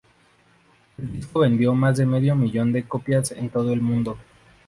El disco vendió más de medio millón de copias en todo el mundo.